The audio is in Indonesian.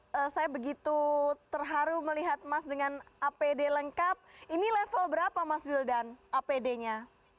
kalau saya begitu terharu melihat mas dengan apd lengkap ini level berapa mas wildan apd nya